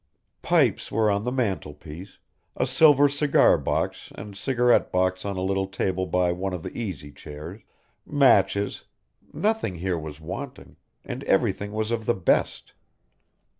Pipes were on the mantel piece, a silver cigar box and cigarette box on a little table by one of the easy chairs, matches nothing was here wanting, and everything was of the best.